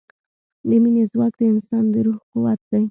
د مینې ځواک د انسان د روح قوت دی.